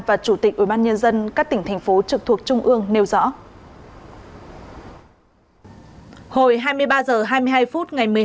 và chủ tịch ủy ban nhân dân các tỉnh thành phố trực thuộc trung ương nêu rõ